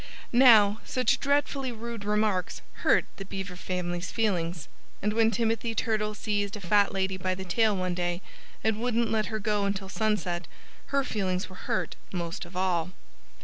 Now, such dreadfully rude remarks hurt the Beaver family's feelings. And when Timothy Turtle seized a fat lady by the tail one day and wouldn't let her go until sunset, her feelings were hurt most of all.